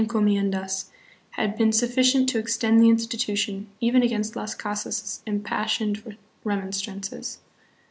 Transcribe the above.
encomiendas, had been sufficient to extend the institution, even against Las Casas' impassioned remonstrances.